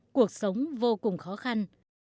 cuộc sống vô cùng khó khăn